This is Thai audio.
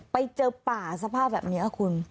ไปเจอป่าสภาพแบบนี้คุณ